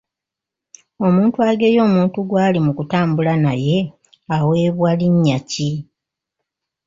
Omuntu ageya omuntu gwali mu kutambula naye aweebwa linnya ki?